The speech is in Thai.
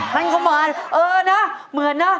ครั้งต่อก็มาเออนะเหมือนนะ